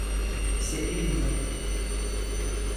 C’est évident.